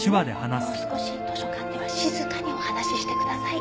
もう少し図書館では静かにお話ししてください。